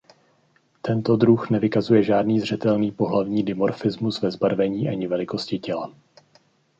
Tento druh nevykazuje žádný zřetelný pohlavní dimorfismus ve zbarvení ani velikosti těla.